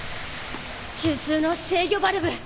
中枢の制御バルブ。